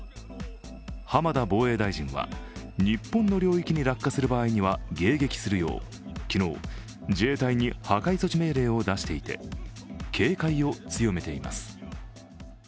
浜田防衛大臣は、日本の領域に落下する場合には迎撃するよう昨日、自衛隊に破壊措置命令を出していて、警戒を強めています。